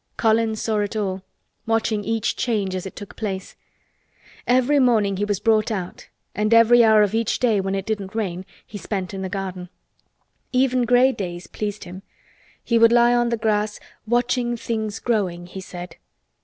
Colin saw it all, watching each change as it took place. Every morning he was brought out and every hour of each day when it didn't rain he spent in the garden. Even gray days pleased him. He would lie on the grass "watching things growing," he said.